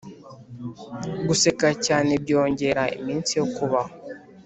guseka cyane byongera iminsi yo kubaho